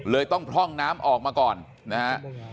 ต้องพร่องน้ำออกมาก่อนนะฮะ